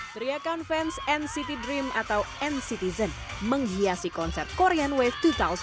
teria conference nct dream atau nctzen menghiasi konser korean wave dua ribu sembilan belas